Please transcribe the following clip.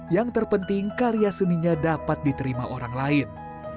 yang terpenting karya seninya dapat diterima orang lain